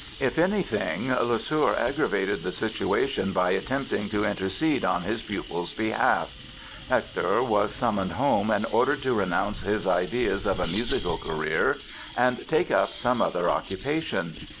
If anything Lesueur aggravated the situation by attempting to intercede on his pupil's behalf. Hector was summoned home and ordered to renounce his ideas of a musical career and take up some other occupation.